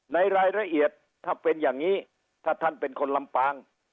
ในรายละเอียดถ้าเป็นอย่างนี้ถ้าท่านเป็นคนลำปาง